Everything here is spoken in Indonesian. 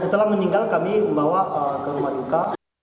setelah meninggal kami membawa ke rumah duka